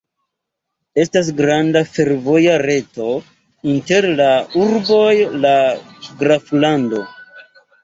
Estas granda fervoja reto inter la urboj la graflando.